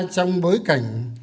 trong bối cảnh